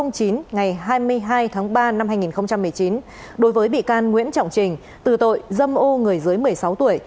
ngày hai mươi hai tháng ba năm hai nghìn một mươi chín đối với bị can nguyễn trọng trình từ tội dâm ô người dưới một mươi sáu tuổi